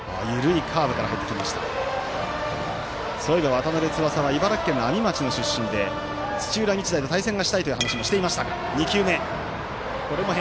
渡邉翼は茨城県の阿見町の出身で土浦日大と対戦がしたいという話もしていましたが。